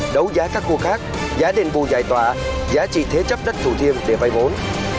đấu giá các khu khác giá đền bù giải tỏa giá trị thế chấp đất thủ thiêm để vay vốn